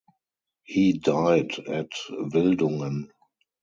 He died at Wildungen.